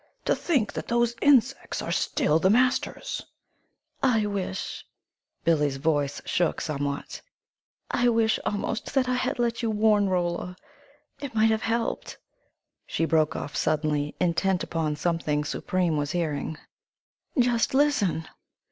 "To think that those insects are still the masters!" "I wish" Billie's voice shook somewhat "I wish almost that I had let you warn Rolla. It might have helped " She broke off suddenly, intent upon something Supreme was hearing. "Just listen!"